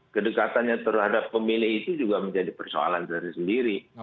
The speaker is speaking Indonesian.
kedekatannya terhadap pemilih itu juga menjadi persoalan sendiri